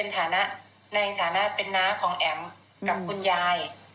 ในฐานะในฐานะเป็นน้าของแอ๋มกับคุณยาย